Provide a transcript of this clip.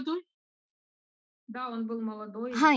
はい。